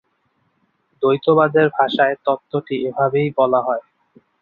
দ্বৈতবাদের ভাষায় তত্ত্বটি এইভাবেই বলা হয়।